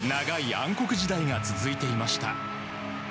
長い暗黒時代が続いていました。